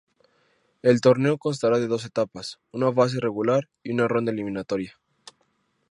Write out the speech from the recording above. El torneo constará de dos etapas: una fase regular y una ronda eliminatoria.